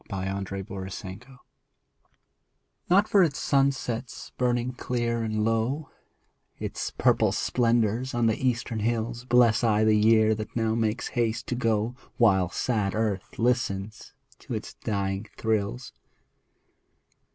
A SONG FOR TWO Not for its sunsets burning clear and low, Its purple splendors on the eastern hills, Bless I the Year that now makes haste to go While sad Earth listens for its dying thrills.